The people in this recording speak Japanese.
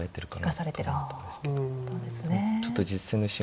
そうですね。